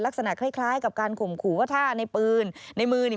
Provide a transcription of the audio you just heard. ลักษณะคล้ายกับการข่มขุวท่าในมือนี่